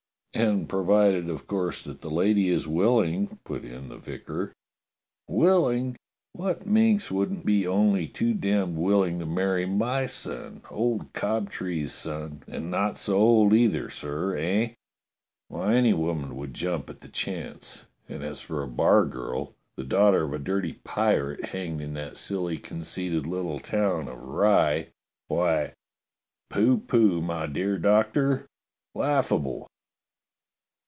*'And provided of course that the lady is willing," put in the vicar. " Willing .f^ What minx wouldn't be only too damned willing to marry my son — old Cobtree's son; and not so old either, sir, eh.^^ Why, any woman would jump at the chance! And as for a bargirl, the daughter of a dirty pirate hanged in that silly conceited little town of Rye, why, pooh pooh, my dear Doctor ! Laugh able!"